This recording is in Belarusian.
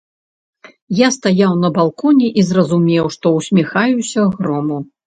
Я стаяў на балконе і зразумеў, што ўсміхаюся грому.